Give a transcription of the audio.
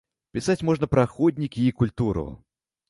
Пісаць можна пра ходнікі і культуру.